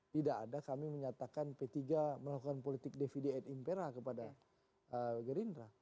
tidak ada kami mengatakan p tiga melakukan politik devide et impera kepada gerinda